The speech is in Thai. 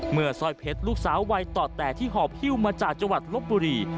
สร้อยเพชรลูกสาววัยต่อแต่ที่หอบฮิ้วมาจากจังหวัดลบบุรี